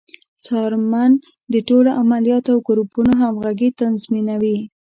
څارمن د ټولو عملیاتو او ګروپونو همغږي تضمینوي.